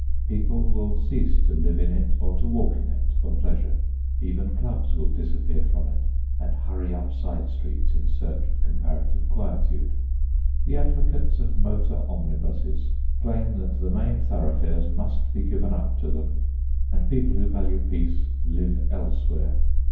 People will cease to live in it or to walk in it for pleasure. Even clubs will disappear from it, and hurry up side streets in search of comparative quietude. The advocates of motor omnibuses claim that the main thoroughfares must be given up to them, and people who value peace live elsewhere.